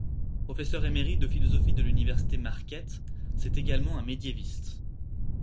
Professeur émérite de philosophie de l'université Marquette, c'est également un médiéviste.